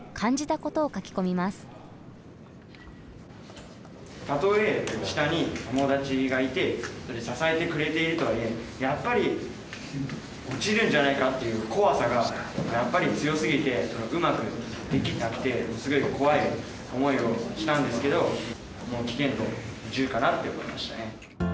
たとえ下に友達がいて支えてくれているとはいえやっぱり落ちるんじゃないかという怖さがやっぱり強すぎてうまくできなくてすごい怖い思いをしたんですけどもう危険度１０かなって思いましたね。